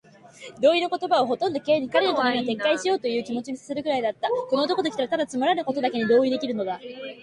同意の言葉はほとんど Ｋ に、彼の頼みを撤回しようというという気持にさせるくらいだった。この男ときたら、ただつまらぬことにだけ同意できるのだ。